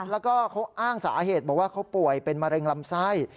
แล้วก็เขาอ้างสาเหตุบอกว่าเขาป่วยเป็นมะเร็งลำไส้